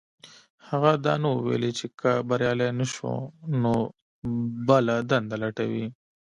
هغه دا نه وو ويلي چې که بريالی نه شو نو بله دنده لټوي.